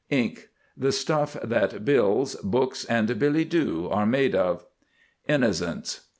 INK. The stuff that Bills, Books, and Billet doux are made of. INNOCENCE.